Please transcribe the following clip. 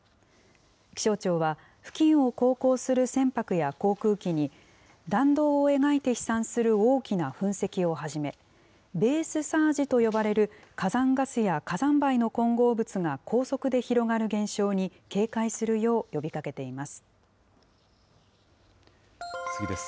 気象庁は、付近を航行する船舶や航空機に、弾道を描いて飛散する大きな噴石をはじめ、ベースサージと呼ばれる火山ガスや火山灰の混合物が高速で広がる現象に警戒するよう呼びかけています。